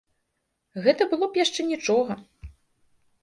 Гэта было б яшчэ нічога.